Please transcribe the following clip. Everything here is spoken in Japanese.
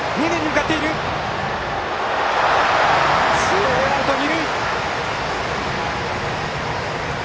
ツーアウト、二塁！